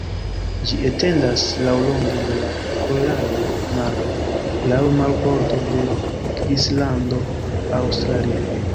Ĝi etendas laŭlonge de la Korala Maro laŭ marbordo de Kvinslando, Aŭstralio.